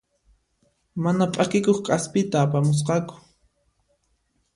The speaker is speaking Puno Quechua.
Mana p'akikuq k'aspita apamusqaku.